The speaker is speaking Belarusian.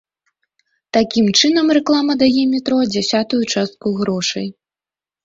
Такім чынам, рэклама дае метро дзясятую частку грошай.